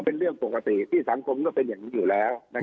เป็นเรื่องปกติที่สังคมก็เป็นอย่างนี้อยู่แล้ว